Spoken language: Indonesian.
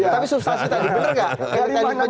tapi substansi tadi bener gak